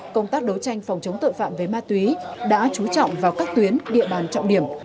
công tác đấu tranh phòng chống tội phạm về ma túy đã trú trọng vào các tuyến địa bàn trọng điểm